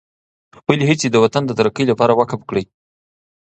خپلې هڅې د وطن د ترقۍ لپاره وقف کړئ.